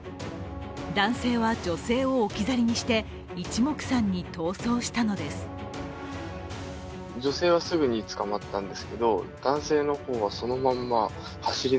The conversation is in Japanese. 男性は女性を置き去りにしていちもくさんに逃走したのです。